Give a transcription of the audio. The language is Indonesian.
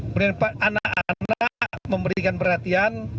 kemudian anak anak memberikan perhatian